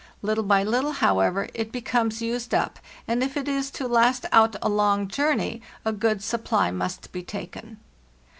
Little by little, however, it becomes used up, and if it is to last out a long journey a good supply must be taken.